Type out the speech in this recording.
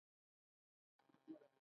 د زیارتونو نذرونه هم ورکول کېږي.